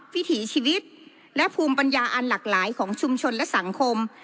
วิถีชีวิตและภูมิปัญญาอันหลากหลายของชุมชนและสังคม